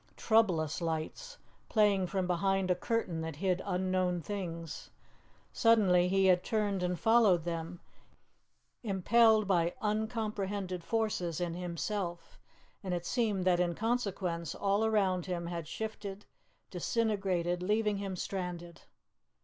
Troublous lights, playing from behind a curtain that hid unknown things. Suddenly he had turned and followed them, impelled by uncomprehended forces in himself, and it seemed that in consequence all around him had shifted, disintegrated, leaving him stranded.